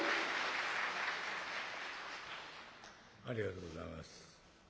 ありがとうございます。